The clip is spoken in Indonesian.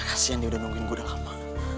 kasian dia udah nungguin gue udah lama